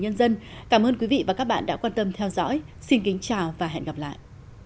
nhân dân cảm ơn quý vị và các bạn đã quan tâm theo dõi xin kính chào và hẹn gặp lại